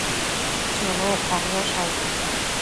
Chonuecta niosh aid ?